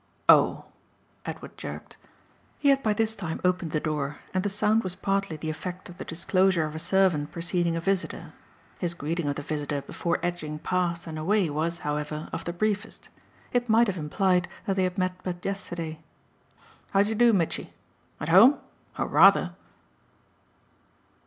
"Oh!" Edward jerked. He had by this time opened the door, and the sound was partly the effect of the disclosure of a servant preceding a visitor. His greeting of the visitor before edging past and away was, however, of the briefest; it might have implied that they had met but yesterday. "How d'ye do, Mitchy? At home? Oh rather!"